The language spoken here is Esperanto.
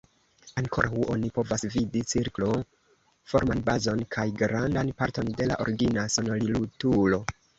Ankoraŭ oni povas vidi cirklo-forman bazon kaj grandan parton de la origina sonorilturo.